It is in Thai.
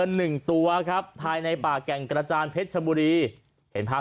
หนึ่งตัวครับภายในป่าแก่งกระจานเพชรชบุรีเห็นภาพ